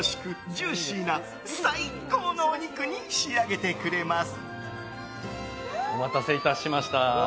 ジューシーな最高のお肉に仕上げてくれます。